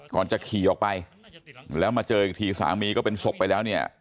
ก่อนจะขี่ออกไปแล้วมาเจออีกทีสามีก็เป็นศพไปแล้วเนี่ย